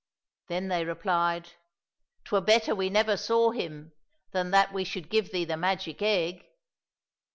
— Then they replied, '' 'Twere better we never saw him than that we should give thee the magic egg